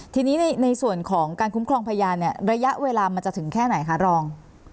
ทีนี้ในส่วนของการคุ้มครองพยานเนี่ยระยะเวลามันจะถึงแค่ไหนคะรอง